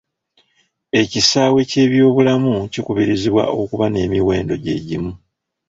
Ekisaawe ky'ebyobulamu kikubirizibwa okuba n'emiwendo gye gimu.